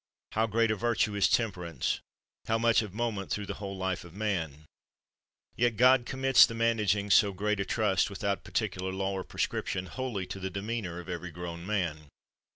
How great a virtue is temperance, how much of moment through the whole life of man ! Yet God commits the managing so great a trust, with out particular law or prescription, wholly to the demeanor of every grown man.